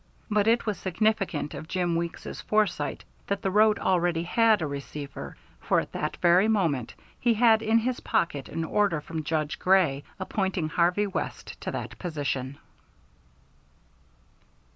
But it was significant of Jim Weeks's foresight that the road already had a receiver, for at that very moment he had in his pocket an order from Judge Grey appointing Harvey West to that position.